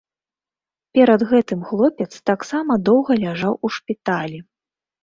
Перад гэтым хлопец таксама доўга ляжаў у шпіталі.